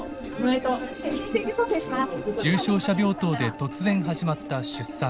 重症者病棟で突然始まった出産。